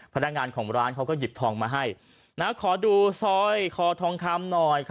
พนักงานของร้านเขาก็หยิบทองมาให้ขอดูซอยคอทองคำหน่อย